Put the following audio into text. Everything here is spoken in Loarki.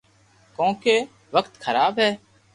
ڪونڪہ وقت خراب ھي